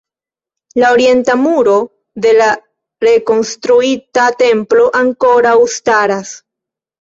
La Orienta Muro de la rekonstruita Templo ankoraŭ staras.